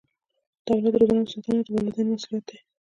د اولاد روزنه او ساتنه د والدینو مسؤلیت دی.